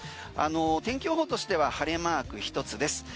天気予報としては晴れマーク１つです。